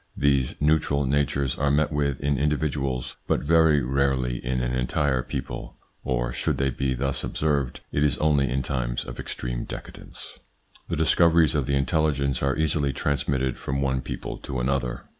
These neutral natures are met with in individuals, but very rarely in an entire people, or, should they be thus observed, it is only in times of extreme decadence. The discoveries of the intelligence are easily transmitted from one people to another.